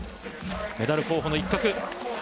メダル候補の一角。